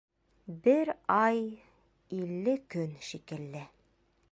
Бер ай -илле көн шикелле.